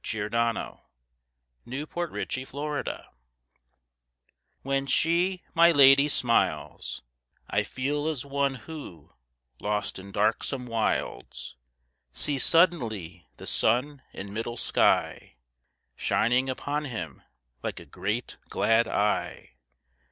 WHEN MY SWEET LADY SINGS When she, my lady, smiles, I feel as one who, lost in darksome wilds, Sees suddenly the sun in middle sky Shining upon him like a great glad eye.